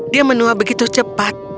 dia menua begitu cepat